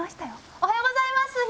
おはようございます。